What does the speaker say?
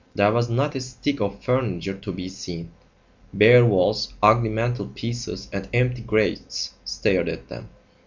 There was not a stick of furniture to be seen. Bare walls, ugly mantel pieces and empty grates stared at them.